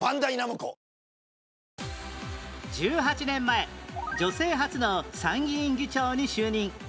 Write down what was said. １８年前女性初の参議院議長に就任